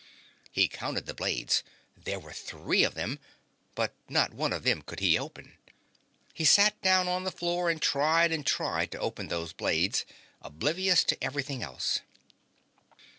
He counted the blades; there were three of them, but not one of them could he open. He sat down on the floor and tried and tried to open those blades, oblivious to everything else.